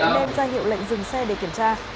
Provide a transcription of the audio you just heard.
đem ra hiệu lệnh dừng xe để kiểm tra